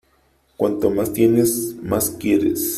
Cuanto más tienes más quieres.